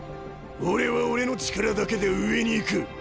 俺は俺の力だけで上に行く！